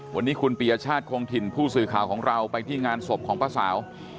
วันนี้คุณปียชาติคงถิ่นผู้สื่อข่าวของเราไปที่งานศพของป้าสาว